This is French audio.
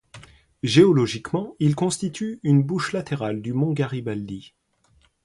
Géologiquement, il constitue une bouche latérale du mont Garibaldi.